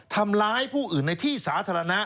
ทำร้ายผู้อื่นในที่สาธารณะ